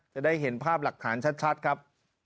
จะได้เห็นภาพหลักฐานชัดครับ